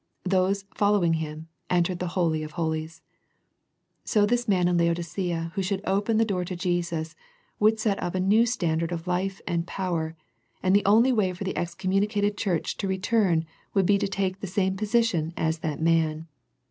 Those following Him, entered the Holy of Holies. So this man in Laodicea who should open the door to Jesus would set up a new standard of life and power, and the only way for the excommunicated church to return would be to take the same position as that man.